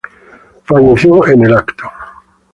Falleció en el acto.